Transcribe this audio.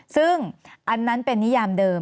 ซึ่งอันนั้นเป็นนิยามเดิม